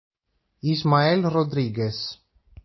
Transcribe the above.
Ismael Rodríguez